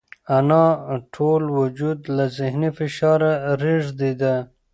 د انا ټول وجود له ذهني فشاره رېږدېده.